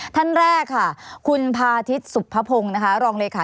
ท่านแรกค่ะคุณพาทิศุพภพงค์ลองเลยค่ะ